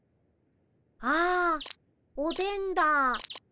あっおでんだ。